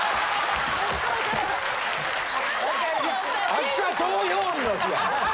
明日投票日の日や。